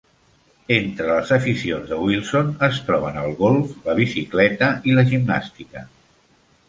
Entre les aficions de Wilson es troben el golf, la bicicleta i la gimnàstica.